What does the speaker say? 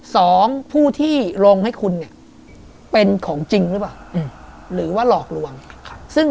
สองผู้ที่ลงให้คุณเนี่ยเป็นของจริงหรือเปล่าหรือว่าหลอกลวงซึ่ง